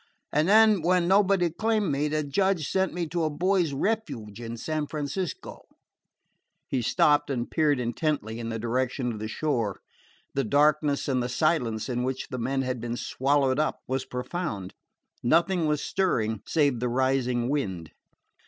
And then, when nobody claimed me, the judge sent me to a boys' 'refuge' in San Francisco." He stopped and peered intently in the direction of the shore. The darkness and the silence in which the men had been swallowed up was profound. Nothing was stirring save the rising wind.